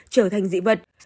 trở thành dị vật